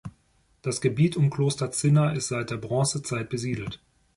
Das Gebiet um Kloster Zinna ist seit der Bronzezeit besiedelt.